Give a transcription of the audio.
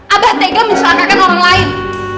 abah tega mensangkakan orang lain